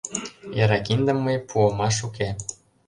Яра киндым мый пуымаш уке.